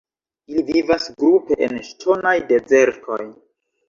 Ili vivas grupe en ŝtonaj dezertoj.